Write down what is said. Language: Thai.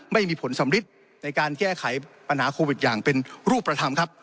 ไม่มีผลสำริดในการแก้ไขปัญหาโควิดอย่างเป็นรูปธรรมครับ